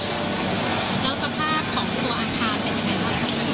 แล้วสภาพของตัวอาคารเป็นยังไงบ้างครับ